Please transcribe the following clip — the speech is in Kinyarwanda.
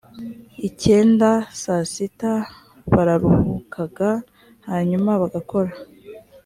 icyenda i saa sita bararuhukaga hanyuma bagakora